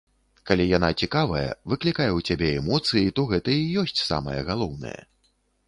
Калі яна цікавая, выклікае ў цябе эмоцыі, то гэта і ёсць самае галоўнае.